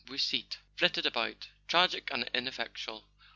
Beausite flitted about, tragic and ineffectual.